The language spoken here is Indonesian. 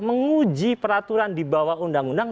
menguji peraturan di bawah undang undang